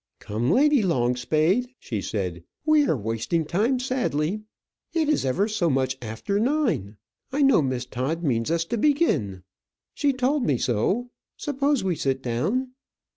"Come, Lady Longspade," she said, "we are wasting time sadly. It is ever so much after nine. I know Miss Todd means us to begin. She told me so. Suppose we sit down?"